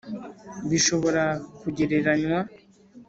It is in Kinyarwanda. Bishobora kugereranywa